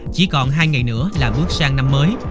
chỉ còn hai ngày nữa là bước sang năm mới